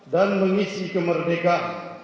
dan mengisi kemerdekaan